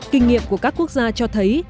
kinh nghiệm của các quốc gia cho thấy